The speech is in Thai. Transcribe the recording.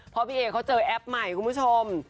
เพราะพี่เอเขาเจอแอปใหม่คุณผู้ชม